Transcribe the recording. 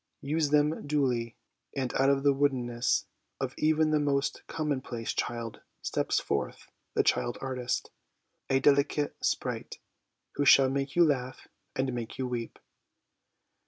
Use them duly, and out of the woodenness of even the most commonplace child steps forth the child artist, a delicate sprite, who shall make you laugh and make you weep.